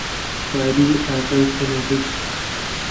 شادی ئاغای پەناهی